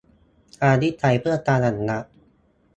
การวิจัยเพื่อการอนุรักษ์